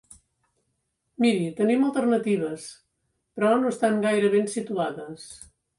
Miri, tenim alternatives, però no estan gaire ben situades.